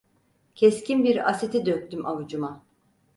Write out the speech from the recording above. Keskin bir asiti döktüm avucuma.